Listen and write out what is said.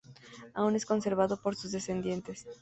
Aún es conservado por sus descendientes.